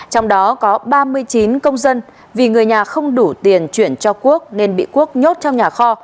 trong đó có ba mươi chín công dân vì người nhà không đủ tiền chuyển cho quốc nên bị quốc nhốt trong nhà kho